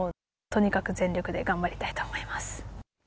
とにかく全力で頑張りたいと思います。